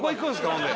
ほんで。